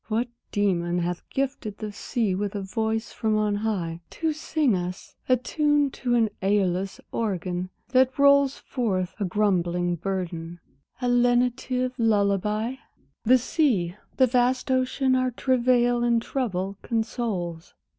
What demon hath gifted the sea with a voice from on high, To sing us (attuned to an Æolus organ that rolls Forth a grumbling burden) a lenitive lullabye? The sea, the vast ocean our travail and trouble consoles!